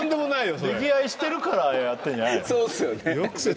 溺愛してるからやってんじゃないの？